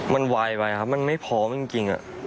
มันไหวไปครับมันไม่พอจริงอ่ะ